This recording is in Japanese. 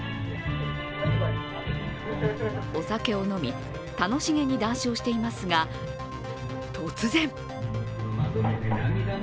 お酒を飲み、楽しげに談笑していますが突然。